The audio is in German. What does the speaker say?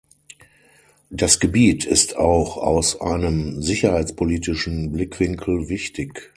Das Gebiet ist auch aus einem sicherheitspolitischen Blickwinkel wichtig.